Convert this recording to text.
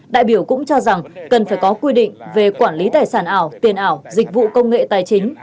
đại biểu cũng cho rằng cần phải có quy định về quản lý tài sản ảo tiền ảo dịch vụ công nghệ tài chính